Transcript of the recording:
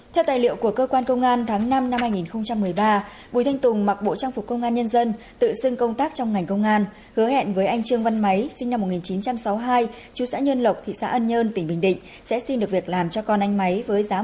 theo tài liệu của cơ quan công an tháng năm năm hai nghìn một mươi ba bùi thanh tùng mặc bộ trang phục công an nhân dân tự xưng công tác trong ngành công an hứa hẹn với anh trương văn máy sinh năm một nghìn chín trăm sáu mươi hai chú xã nhân lộc thị xã ân nhơn tỉnh bình định sẽ xin được việc làm cho con anh máy với giá rẻ